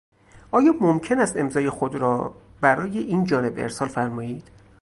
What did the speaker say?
آیا ممکن است امضای خود را برای اینجانب ارسال فرمایید؟